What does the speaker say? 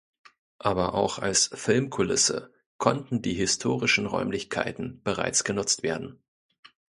Aber auch als Filmkulisse konnten die historischen Räumlichkeiten bereits genutzt werden.